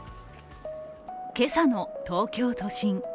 今朝の東京都心